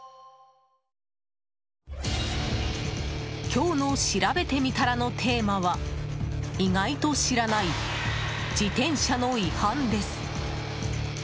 今日のしらべてみたらのテーマは意外と知らない自転車の違反です。